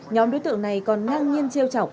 nhóm đối tượng này còn ngang nhiên treo trọc